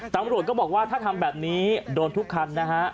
ตำรวจก็บอกว่าถ้าทำแบบนี้โดนทุกคันนะฮะ